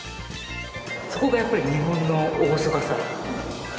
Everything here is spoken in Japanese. そこがやっぱり日本の厳かさ。